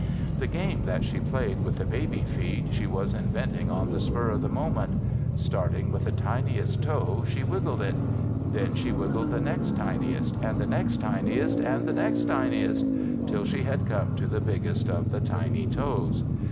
The game that she played with the baby feet she was inventing on the spur of the moment. Starting with the tiniest toe, she wiggled it. Then she wiggled the next tiniest, and the next tiniest, and the next tiniest, till she had come to the biggest of the tiny toes.